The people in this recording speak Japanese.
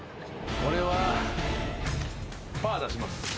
俺はパー出します。